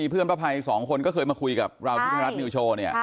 เพื่อนป้าไพรสองคนเข้ามาคุยกับราวทธรรมนิวโช๊